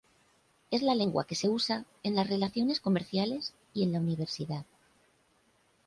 Es la lengua que se usa en las relaciones comerciales y en la Universidad.